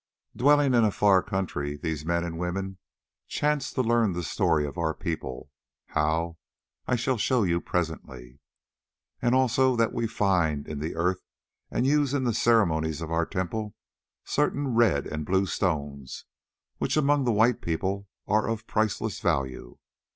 "Dwelling in a far country, these men and women chanced to learn the story of our people—how, I shall show you presently—and also that we find in the earth and use in the ceremonies of our temple certain red and blue stones which among the white people are of priceless value.